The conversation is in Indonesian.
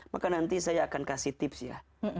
maka nanti saya akan kasih tips ya